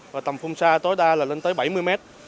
và tầm phung xa tối đa là lên tới bảy mươi m